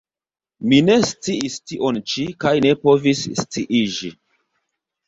Mi ne sciis tion ĉi kaj ne povis sciiĝi.